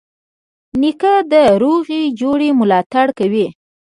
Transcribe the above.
نیکه د روغي جوړې ملاتړ کوي.